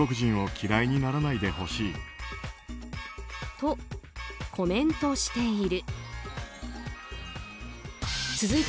と、コメントしている。